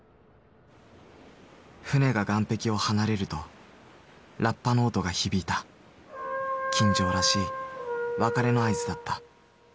船が岸壁を離れるとラッパの音が響いた金城らしい別れの合図だった。